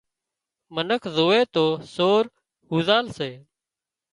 منک زووي تو سور هوزال سي